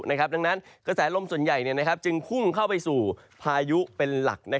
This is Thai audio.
ดังนั้นกระแสลมส่วนใหญ่จึงพุ่งเข้าไปสู่พายุเป็นหลัก